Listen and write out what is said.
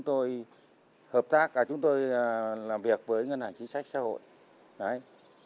ngoài giúp đỡ tinh thần thì chúng tôi làm việc với ngân hàng chính sách xã hội